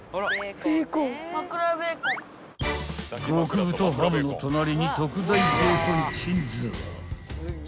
［極太ハムの隣に特大ベーコン鎮座］